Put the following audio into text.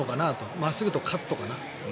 真っすぐとカットかな。